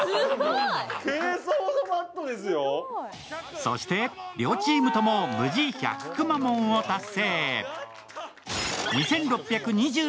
そして、両チームとも無事１００くまモンを達成。